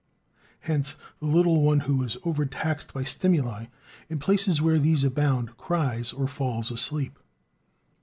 Hence the little one who is over taxed by stimuli, in places where these abound, cries or falls asleep.